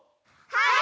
はい。